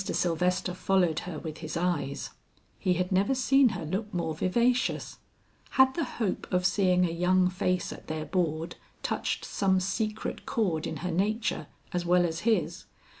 Sylvester followed her with his eyes; he had never seen her look more vivacious; had the hope of seeing a young face at their board touched some secret chord in her nature as well as his?